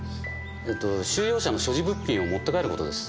えっと収容者の所持物品を持って帰ることです。